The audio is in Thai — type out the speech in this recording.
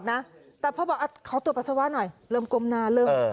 หลบตาลมต่ำ